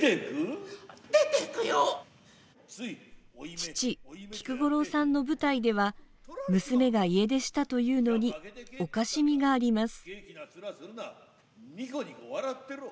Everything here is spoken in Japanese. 父・菊五郎さんの舞台では娘が家出したというのにおかしみがあります。